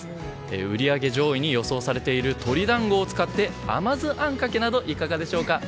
売り上げ上位に予想されている鶏団子を使って甘酢あんかけなどいかがでしょうか。